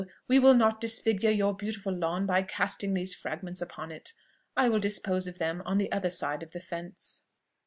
we will not disfigure your beautiful lawn by casting these fragments upon it: I will dispose of them on the other side of the fence."